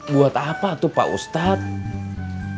buat apa tuh pak ustadz